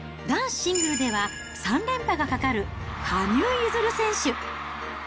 男子シングルでは、３連覇がかかる羽生結弦選手。